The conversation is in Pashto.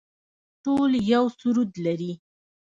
ټول یو سرود لري